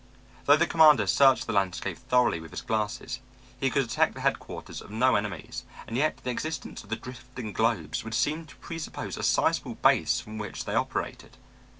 Though the commander searched the landscape thoroughly with his glasses, he could detect the headquarters of no enemies; and yet the existence of the drifting globes would seem to presuppose a sizable base from which they operated.